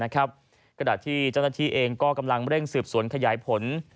ขณะที่เจ้าหน้าที่เองก็กำลังเร่งสืบสวนขยายผล